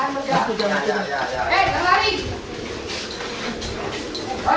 masuk belakang belakang belakang